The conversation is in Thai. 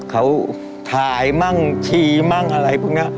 เขาถ่ายมั่งชีมั่งอะไรพวกนี้